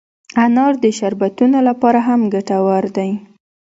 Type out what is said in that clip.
انار د شربتونو لپاره هم ګټور دی.